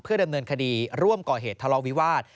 ดำเนินคดีร่วมก่อเหตุทะเลาวิวาส